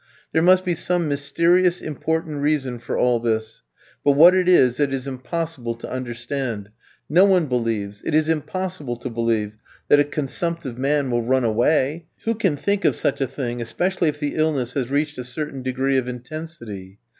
There must be some mysterious, important reason for all this, but what it is, it is impossible to understand. No one believes it is impossible to believe that a consumptive man will run away. Who can think of such a thing, especially if the illness has reached a certain degree of intensity?